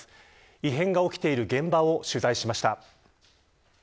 異変が起きている現場を取材しました。